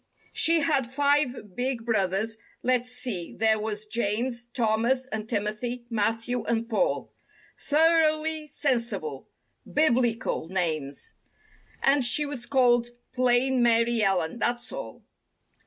She had five big brothers—let's see, there was James, Thomas and Timothy, Matthew and Paul— Thoroughly sensible, Bibical names 138 K And she was called, plain Mary Ellen—that's all.